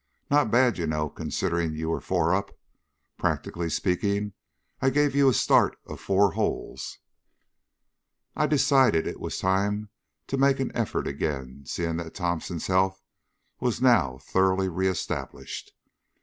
Not bad, you know, considering you were four up. Practically speaking, I gave you a start of four holes." I decided that it was time to make an effort again, seeing that Thomson's health was now thoroughly re established.